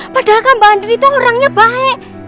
padahal kan mbak andri itu orangnya baik